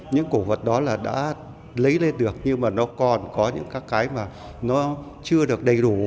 những cổ vật đó là đã lấy lên được nhưng mà nó còn có những các cái mà nó chưa được đầy đủ